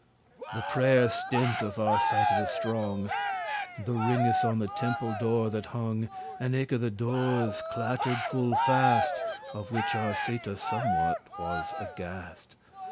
The prayer stint* of Arcita the strong, *ended The ringes on the temple door that hong, And eke the doores, clattered full fast, Of which Arcita somewhat was aghast.